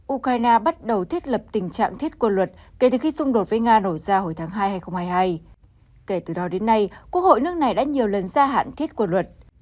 ukraine bắt đầu thiết lập tình trạng thiết quân luật kể từ khi xung đột với nga nổ ra hồi tháng hai hai nghìn hai mươi hai kể từ đó đến nay quốc hội nước này đã nhiều lần gia hạn thiết quân luật